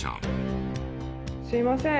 すいません。